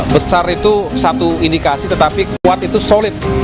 besar itu satu indikasi tetapi kuat itu solid